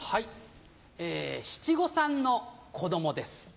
七五三の子供です。